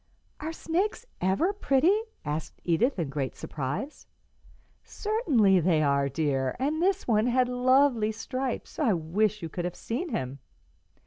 "Are snakes ever pretty?" asked Edith, in great surprise. "Certainly they are, dear, and this one had lovely stripes. I wish you could have seen him."